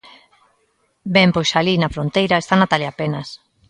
Ben pois alí, na fronteira, está Natalia Penas.